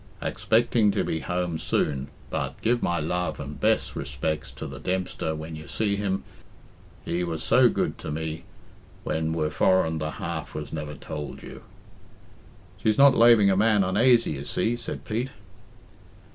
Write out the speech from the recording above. "axpectin to be home sune but... give my luv and bess respects to the Dempster when you see him he was so good to me when "were forren the half was never towl you" "She's not laving a man unaisy, you see," said Pete.